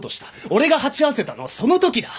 俺が鉢合わせたのはその時だ。